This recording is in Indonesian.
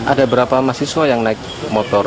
ada berapa mahasiswa yang naik motor